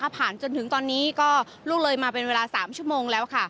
จนถึงตอนนี้ก็ล่วงเลยมาเป็นเวลา๓ชั่วโมงแล้ว